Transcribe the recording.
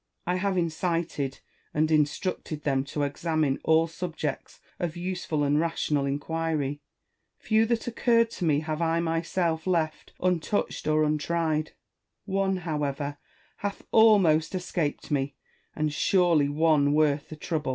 I have incited and instructed them to examine all subjects of useful and rational inquiry ; few that occurred to me have I myself left untouched or untried : one, however, hath almost escaped me, and surely one worth the trouble.